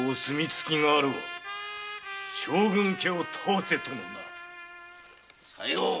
将軍家を倒せとのなさよう。